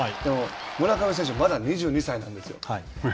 村上選手は、まだ２２歳なんですよ。